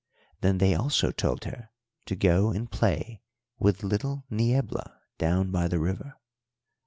Then they also told her to go and play with little Niebla down by the river.